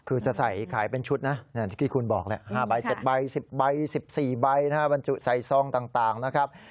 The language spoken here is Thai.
คือจะใส่ขายเป็นชุดนะที่คุณบอกเลย๕ใบ๗ใบ๑๐ใบ๑๔ใบใส่ซองต่างนะครับ